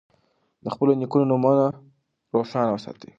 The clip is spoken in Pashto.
د خپلو نیکونو نوم روښانه وساتئ.